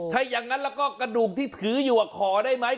ถ้ายังงั้นกระดูกที่ถืออยู่อะขอได้มั้ย